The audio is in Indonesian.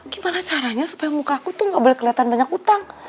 gimana caranya supaya muka aku tuh gak boleh kelihatan banyak utang